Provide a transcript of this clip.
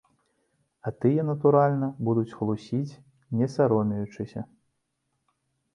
А тыя, натуральна, будуць хлусіць, не саромеючыся.